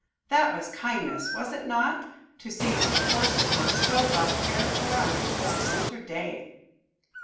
That was kindness, was it not, to see that the horses were so well cared for on a cold winter day!